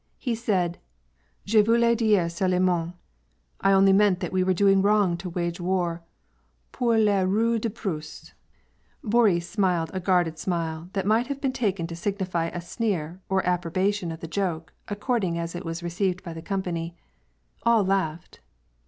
He said, —^' Je voidais dire seul&ment — I only meant that we were do ing wrong to wage war pour le rai de Prusse" * Boris smiled a guarded smile, that might have been taken to signify a sneer or approbation of the joke, according as it was received by the company. All laughed.